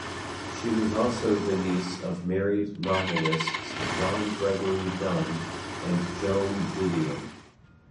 She was also the niece of married novelists John Gregory Dunne and Joan Didion.